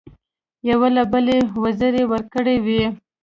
یو له بله یې وزرې ورکړې وې.